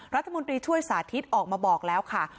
รัฐมนตรีช่วยสาธิตออกมาบอกแล้วค่ะ